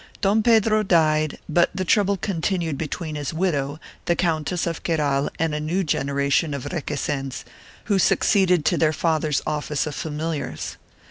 Don Pedro died but the trouble continued between his widow, the Countess of Queral and a new generation of Requesens, who succeeded to their fathers' office of familiars.